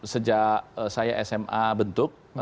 sejak saya sma bentuk